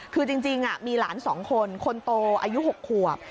คือจริงมีหลาน๒คนคนโตอายุ๖ขวบ